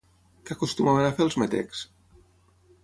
Què acostumaven a fer els metecs?